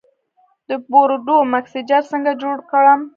د بورډو مکسچر څنګه جوړ کړم؟